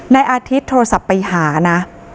นายอาทิตย์โทรศัพท์ไปหานะ